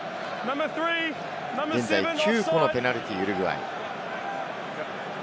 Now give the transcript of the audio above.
現在９個のペナルティー、ウルグアイ。